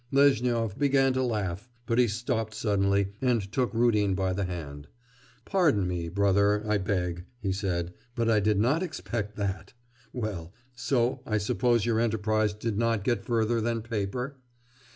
Lezhnyov began to laugh, but he stopped suddenly and took Rudin by the hand. 'Pardon me, brother, I beg,' he said, 'but I did not expect that. Well, so I suppose your enterprise did not get further than paper?